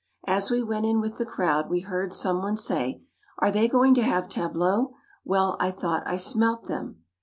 As we went in with the crowd, we heard some one say, "Are they going to have tableaux? Well, I thought I smelt them!"